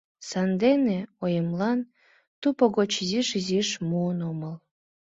Сандене оемлан туп гоч изиш-изиш муын омыл.